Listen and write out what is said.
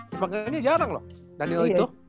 sebagainya jarang loh daniel itu